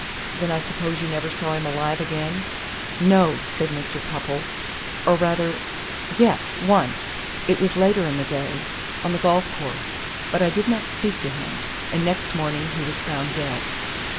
"Then I suppose you never saw him alive again?" "No," said Mr. Cupples. "Or rather, yes once. It was later in the day, on the golf course. But I did not speak to him. And next morning he was found dead."